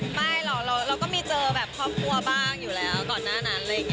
สบายเราก็มีเจอบ้างครับพ่อก่อนตอนนั้น